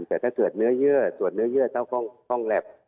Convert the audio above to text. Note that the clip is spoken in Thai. แต่ถ้าเกิดเนื้อเยื่อตรวจเนื้อเยื่อต้องแล็บ